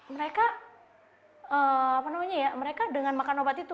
mereka dengan makan obat itu